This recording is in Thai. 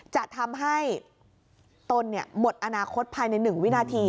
จะทำให้ตนหมดอนาคตภายใน๑วินาที